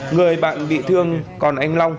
người bạn bị thương còn anh long